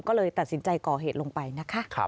ก็เลยตัดสินใจก่อเหตุลงไปนะคะ